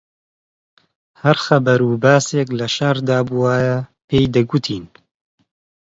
هەر خەبەر و باسێک لە شاردا بوایە پێی دەگوتین